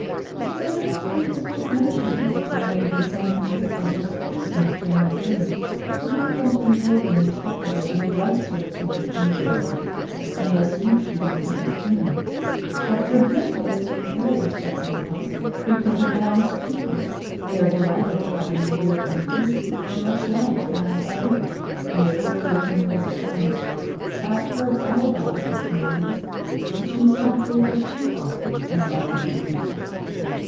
"Because I did not think it was worth mentioning. I made the acquaintance of those persons during my journey; I believe them to be worthy and respectable, and the right sort of people for me to visit, unless you should be of a different opinion." "God forbid! It is a very respectable house, frequented by honest people. They are delighted at having made your acquaintance; you are much liked by everybody, and they hope to retain you as a friend; I have heard all about it this morning; but you must not go there too often and as a regular guest."